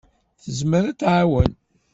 Tezmer ad d-tɛawen.